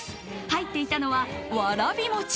入っていたのは、わらび餅。